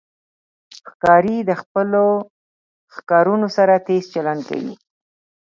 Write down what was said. ښکاري د خپلو ښکارونو سره تیز چلند کوي.